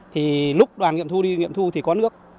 thì lúc đoàn nghiệm thu đi nghiệm thu thì có nước